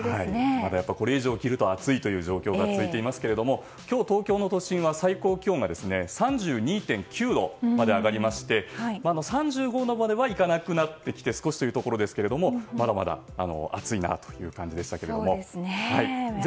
まだこれ以上着ると暑いという状況が続いていますけれども今日東京の都心は最高気温が３２．９度まで上がりまして３５度まではいかなくなって少しというところですがまだまだ暑いなという感じでしたけれども。